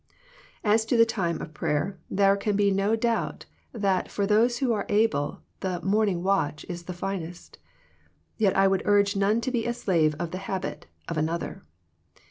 As to the time of prayer there can be no little doubt that for those who are able the " morning watch " is the finest. Yet I would urge none to be slave of the habit of another.